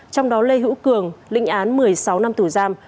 trong đó lê hữu cường lĩnh án một mươi sáu năm tủ giam